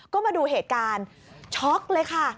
ก็มาดูเหตุการณ์ช็อกเลยค่ะ